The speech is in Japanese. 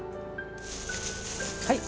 はい。